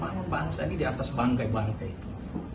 anak bangsa ini di atas bangkai bangkai itu